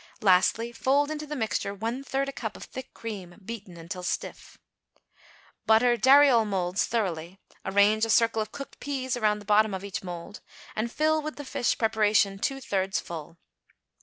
Lastly, fold into the mixture one third a cup of thick cream, beaten until stiff. Butter dariole moulds thoroughly, arrange a circle of cooked peas around the bottom of each mould, and fill with the fish preparation two thirds full.